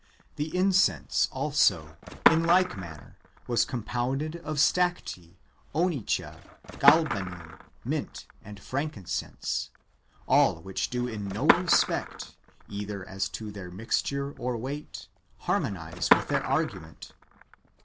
The incense ^ also, in like manner, [was compounded] of stacte, onycha, galbanum, mint, and frankincense, all which do in no respect, either as to their mixture or weight, harmonize with their argument.